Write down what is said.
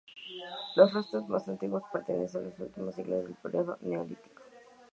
Los restos más antiguos pertenecen a los últimos siglos del periodo neolítico.